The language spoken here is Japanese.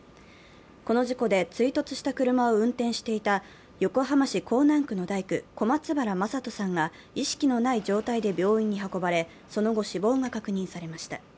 この事故で追突した車を運転していた横浜市港南区の大工、小松原政人さんが意識のない状態で病院に運ばれその後、死亡が確認されました。